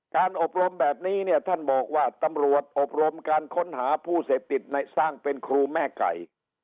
การอบรมแบบนี้เนี่ยท่านบอกว่าตำรวจอบรมการค้นหาผู้เสพติดในสร้างเป็นครูแม่ไก่